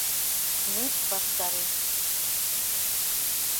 Нэп ваштареш...